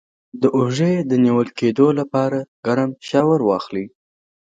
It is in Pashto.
د اوږې د نیول کیدو لپاره ګرم شاور واخلئ